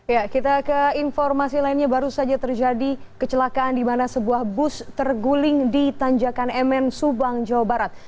ya kita ke informasi lainnya baru saja terjadi kecelakaan di mana sebuah bus terguling di tanjakan mn subang jawa barat